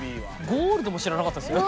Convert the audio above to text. ゴールドも知らなかったですよ。